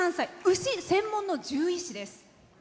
牛専門の獣医師です。